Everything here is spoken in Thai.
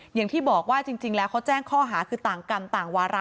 อย่างที่บอกว่าจริงแล้วเขาแจ้งข้อหาคือต่างกรรมต่างวาระ